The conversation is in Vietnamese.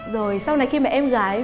rồi sau này khi mà em gái